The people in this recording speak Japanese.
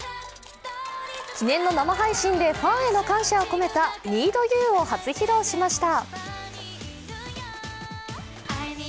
記念の生配信でファンへの感謝を込めた「ＮｅｅｄＵ」を初披露しました。